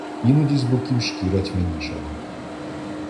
Іноді з боків шкіра тьмяніша.